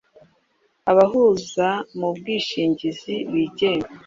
abahuza mu bwishingizi bigenga;